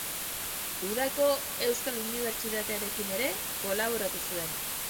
Udako Euskal Unibertsitatearekin ere kolaboratu zuen.